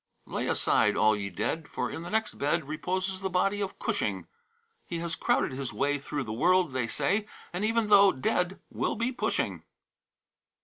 "Lay aside, all ye dead, For in the next bed Reposes the body of Cushing; He has crowded his way Through the world, they say, And even though dead will be pushing."